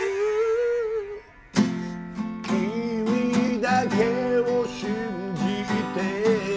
「君だけを信じて」